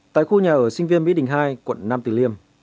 tại khu nhà ở sinh viên mỹ đình hai quận nam tử liêm